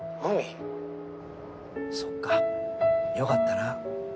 そっかよかったな。